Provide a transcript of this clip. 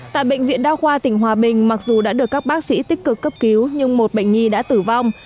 tại bệnh viện đa khoa tỉnh hòa bình mặc dù đã được các bác sĩ tích cực cấp cứu nhưng một bệnh nhi đã tử vong